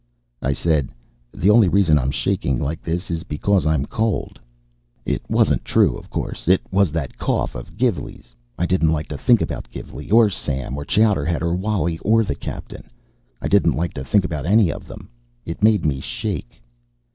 I said, "The only reason I'm shaking like this is because I'm cold." It wasn't true, of course. It was that cough of Gilvey's. I didn't like to think about Gilvey, or Sam or Chowderhead or Wally or the captain. I didn't like to think about any of them. It made me shake.